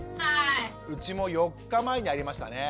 うちも４日前にありましたね。